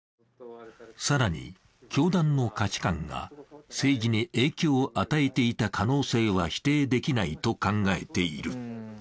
更に、教団の価値観が政治に影響を与えていた可能性は否定できないと考えている。